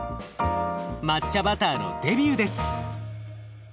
抹茶バターのデビューです。